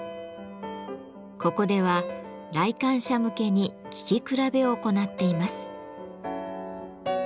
ここでは来館者向けに聴き比べを行っています。